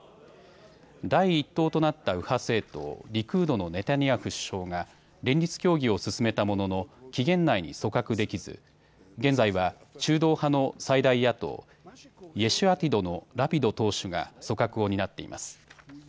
第１党となった右派政党、リクードのネタニヤフ首相が連立協議を進めたものの期限内に組閣できず現在は中道派の最大野党、イェシュアティドのラピド党首が組閣を担っています。